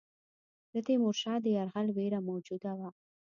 د تیمورشاه د یرغل وېره موجوده وه.